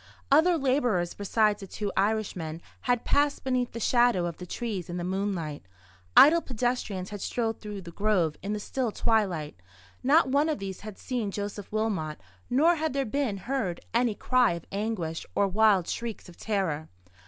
Other labourers, besides the two Irishmen, had passed beneath the shadow of the trees in the moonlight. Idle pedestrians had strolled through the grove in the still twilight; not one of these had seen Joseph Wilmot, nor had there been heard any cry of anguish, or wild shrieks of terror.